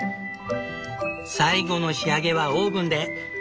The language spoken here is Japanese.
最後の仕上げはオーブンで。